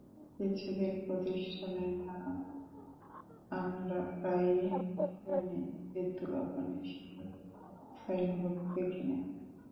কিছু কিছু প্রতিষ্ঠানের নাম আমরা প্রায়ই শুনি, কিন্তু কখনোই সেগুলোর সাইনবোর্ড দেখি না।